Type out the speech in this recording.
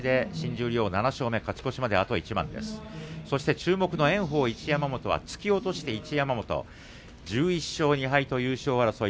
注目の炎鵬、一山本戦突き落として一山本、１１勝２敗優勝争い